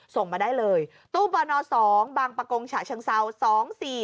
ส่งมาได้เลยตู้หนำสองบางปะกงฉะชังเซาสองสี่